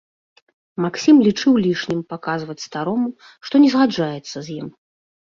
Максім лічыў лішнім паказваць старому, што не згаджаецца з ім.